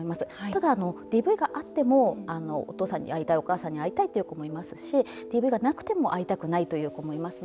ただ、ＤＶがあってもお父さんに会いたいお母さんに会いたいという子もいますし、ＤＶがなくても会いたくないという子どももいます。